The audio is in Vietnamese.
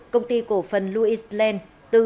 công ty cổ phần louis land